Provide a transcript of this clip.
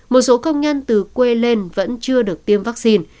một số công nhân từ quê lên vẫn chưa được tiêm vaccine